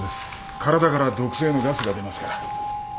体から毒性のガスが出ますから。